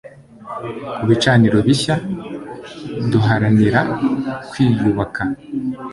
ku bicaniro bishya duharanira kwiyubaka